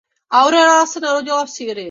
Aurea se narodila v Sýrii.